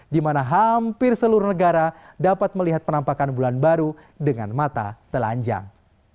di mana hampir seluruh negara dapat melihat penampakan bulan baru dengan mata telanjang